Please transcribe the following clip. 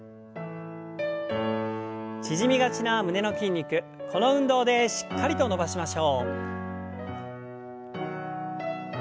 縮みがちな胸の筋肉この運動でしっかりと伸ばしましょう。